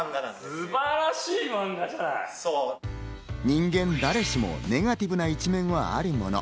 人間誰しもネガティブな一面はあるもの。